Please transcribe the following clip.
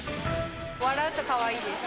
笑うとかわいいです。